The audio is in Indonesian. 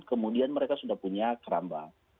kemudian mereka sudah punya keramba